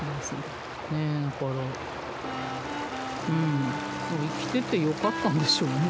だからうん生きててよかったんでしょうね。